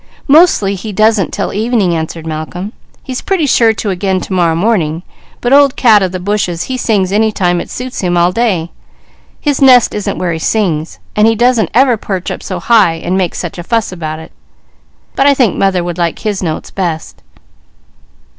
"Mostly he doesn't till evening," answered Malcolm. "He's pretty sure to again to morrow morning, but old cat of the bushes, he sings any time it suits him all day. His nest isn't where he sings, and he doesn't ever perch up so high and make such a fuss about it, but I think mother would like his notes best."